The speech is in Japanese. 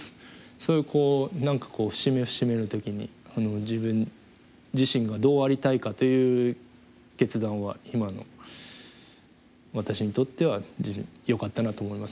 そういう節目節目の時に自分自身がどうありたいかという決断は今の私にとってはよかったなと思います。